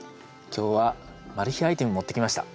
今日はマル秘アイテム持ってきました。